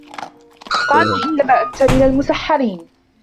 قالوا إِنَّما أَنتَ مِنَ المُسَحَّرينَ